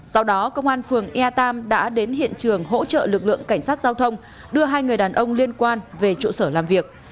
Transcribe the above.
sau đó công an phường ea tam đã đến hiện trường hỗ trợ lực lượng cảnh sát giao thông đưa hai người đàn ông liên quan về trụ sở làm việc